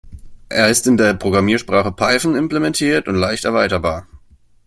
Er ist in der Programmiersprache Python implementiert und leicht erweiterbar.